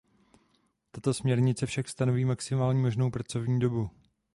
Tato směrnice však stanoví maximální možnou pracovní dobu.